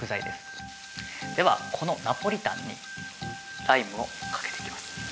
ではこのナポリタンにライムをかけていきます。